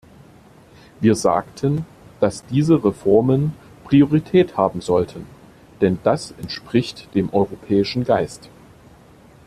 Wir sagten, dass diese Reformen Priorität haben sollten, denn das entspricht dem europäischen Geist.